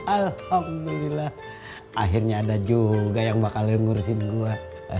alhamdulillah akhirnya ada juga yang bakal ngurusin gua